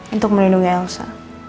untuk melindungi elsa